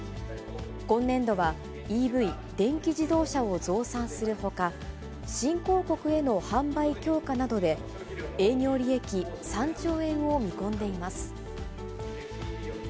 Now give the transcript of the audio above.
今年度はＥＶ・電気自動車を増産するほか、新興国への販売強化などで営業利益３兆円を見込んでいます。